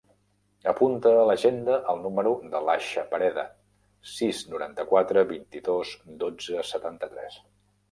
Apunta a l'agenda el número de l'Aixa Pereda: sis, noranta-quatre, vint-i-dos, dotze, setanta-tres.